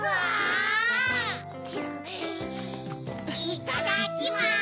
いただきます！